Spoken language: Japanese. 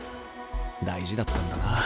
大事だったんだなあ